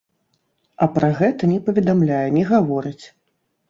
А пра гэта не паведамляе, не гаворыць.